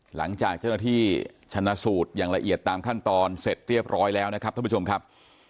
หลังจากเจ้าหน้าที่ชนะสูตรอย่างละเอียดตามขั้นตอนเสร็จเรียบร้อยแล้วนะครับท่านผู้ชมครับ